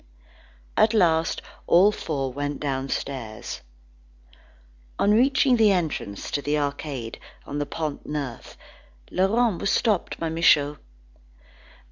At last all four went downstairs. On reaching the entrance to the Arcade of the Pont Neuf, Laurent was stopped by Michaud.